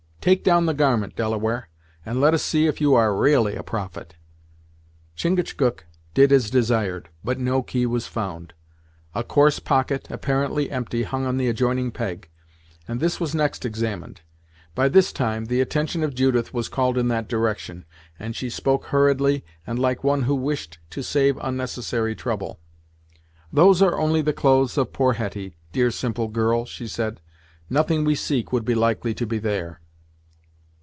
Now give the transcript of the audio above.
Take down the garment, Delaware, and let us see if you are ra'ally a prophet." Chingachgook did as desired, but no key was found. A coarse pocket, apparently empty, hung on the adjoining peg, and this was next examined. By this time, the attention of Judith was called in that direction, and she spoke hurriedly and like one who wished to save unnecessary trouble. "Those are only the clothes of poor Hetty, dear simple girl!" she said, "Nothing we seek would be likely to be there."